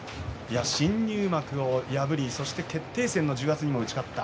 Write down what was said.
新入幕を破り決定戦での重圧にも打ち勝った。